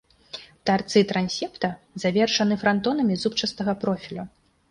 Тарцы трансепта завершаны франтонамі зубчастага профілю.